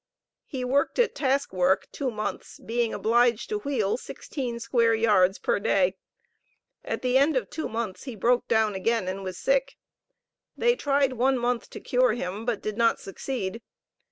He worked at "task work" two months, being obliged to wheel sixteen square yards per day. At the end of two months he broke down again, and was sick. They tried one month to cure him, but did not succeed.